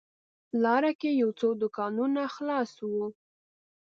لاره کې یو څو دوکانونه خلاص و.